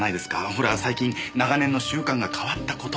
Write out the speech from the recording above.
ほら最近長年の習慣が変わった事。